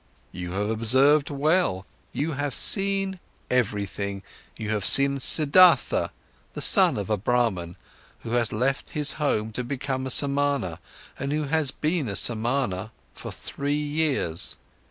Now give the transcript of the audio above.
"You have observed well, you have seen everything. You have seen Siddhartha, the son of a Brahman, who has left his home to become a Samana, and who has been a Samana for three years.